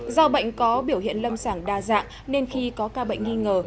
do bệnh có biểu hiện lâm sàng đa dạng nên khi có ca bệnh nghi ngờ